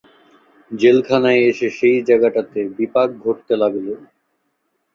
জেলখানায় এসে সেই জায়গাটাতে বিপাক ঘটতে লাগল।